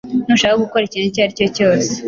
Ntushaka gukora ikintu icyo ari cyo cyose.